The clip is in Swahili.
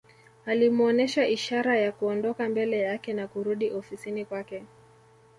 Alimuonesha ishara ya Kuondoka mbele yake na kurudi ofisini kwake